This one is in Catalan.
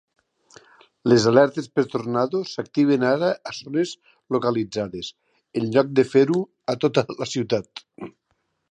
Les alertes per tornado s'activen ara a zones localitzades, en lloc de fer-ho a tota la ciutat.